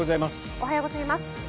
おはようございます。